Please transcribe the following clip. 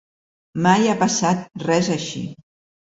Mai ha passat res així.